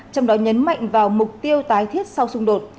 trong đó nhấn mạnh vào mục tiêu tái thiết sau xung đột